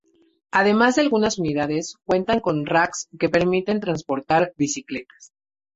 Además algunas unidades cuentan con racks que permiten transportar bicicletas.